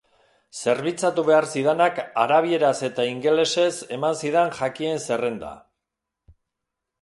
Zerbitzatu behar zidanak arabieraz eta ingelesez eman zidan jakien zerrenda.